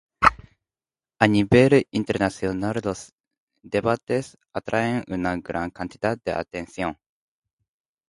A nivel internacional los debates atraen una gran cantidad de atención.